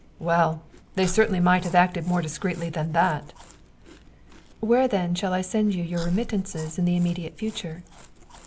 "Well, they certainly might have acted more discreetly than that." "Where, then, shall I send you your remittances in the immediate future?"